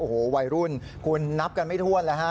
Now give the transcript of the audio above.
โอ้โฮวัยรุ่นคุณนับกันไม่ท่วนเลย